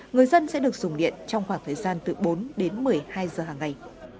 người dân sẽ được dùng điện trong khoảng thời gian từ bốn đến một mươi hai giờ hàng ngày